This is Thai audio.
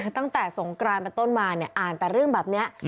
ตั้งแต่สงกรานะมาต้นมาอ่านแต่เรื่องแบบนี้